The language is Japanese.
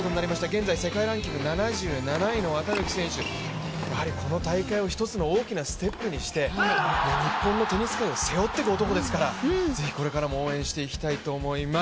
現在世界ランキング７７位の綿貫選手、この大会を大きなステップにして、日本のテニス界を背負っていく男ですから、ぜひこれからも応援していきたいと思います。